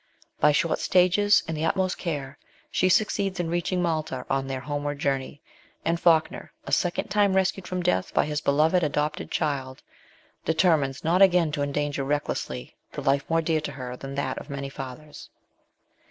By short stages and the utmost care, she succeeds in reaching Malta on their homeward journey, and Falkner, a second time rescued from death by his beloved adopted LITERARY WORK. 195 child, determines not again to endanger recklessly the life more dear to her than that of many fathers.